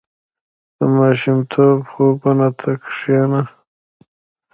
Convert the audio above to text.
• د ماشومتوب خوبونو ته کښېنه.